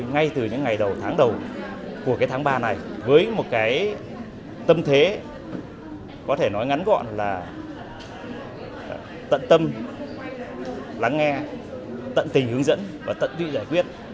ngay từ những ngày đầu tháng đầu của cái tháng ba này với một cái tâm thế có thể nói ngắn gọn là tận tâm lắng nghe tận tình hướng dẫn và tận tụy giải quyết